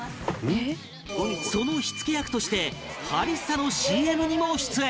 その火付け役としてハリッサの ＣＭ にも出演